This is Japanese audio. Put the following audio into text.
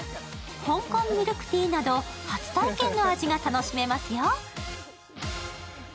香港ミルクティーなど、初体験の味が楽しめますよ。